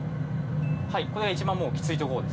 はいこれが一番もうきつい所です。